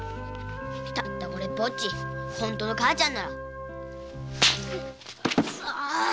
たったのこれっぽっち本当の母ちゃんなら。